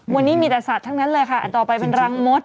วันนี้มีแต่สัตว์ทั้งนั้นเลยค่ะอันต่อไปเป็นรังมด